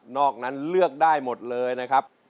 อกนั้นเลือกได้หมดเลยนะครับ